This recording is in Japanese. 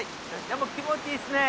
でも気持ちいいですね。